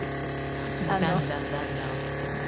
もうだんだんだんだん大きくなり。